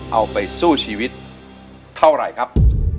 เอาไปสู้ชีวิตเท่าไหร่ครับ